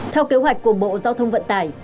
theo kế hoạch của bộ giao thông vận tải